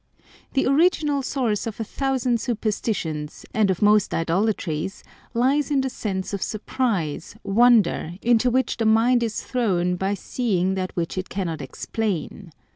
The original source of a thousand superstitions, and of most idolatries, lies in the sense of surprise, wonder, into which the mind is thrown by seeing that which it cannot explain.